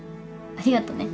ありがとね。ＯＫ。